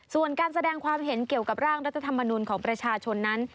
ส่วนการแสดงความเห็นเกี่ยวกับร่างรัฐธรรมนุนของประชาชนนั้น